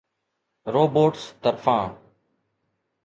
robots طرفان